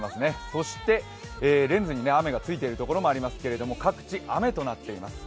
そしてレンズに雨がついているところもありますけれども、各地、雨となっています。